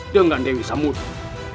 dengan dewi samudera